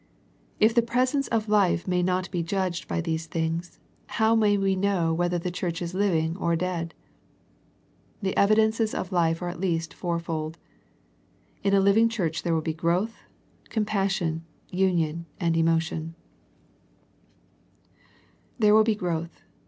If the presence of life may not be judged by these things, how may we know whether the church is living or dead? The evidences of life are at least fourfold. . In a living church there will be growth, com passion, union, and emotion, t There will be growth.